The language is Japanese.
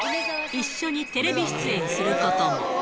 一緒にテレビ出演することも。